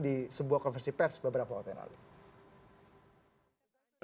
di sebuah konversi pers beberapa waktu yang lalu